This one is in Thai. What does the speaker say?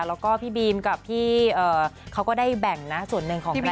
แล้วก็พี่บีมกับพี่เขาก็ได้แบ่งนะส่วนหนึ่งของแฟน